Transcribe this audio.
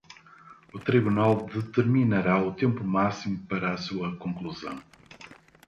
O tribunal determinará o tempo máximo para sua conclusão.